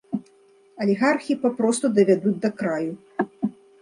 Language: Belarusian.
Алігархі папросту давядуць да краю.